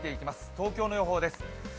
東京の予報です。